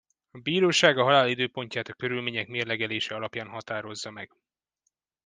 A bíróság a halál időpontját a körülmények mérlegelése alapján határozza meg.